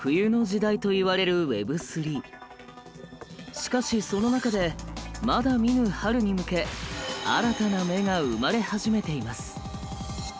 しかしその中でまだ見ぬ春に向け新たな“芽”が生まれ始めています。